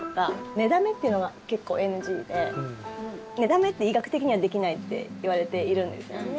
寝だめっていうのが結構ＮＧで寝だめって医学的にはできないっていわれているんですよね。